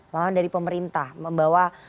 lawan dari pemerintah membawa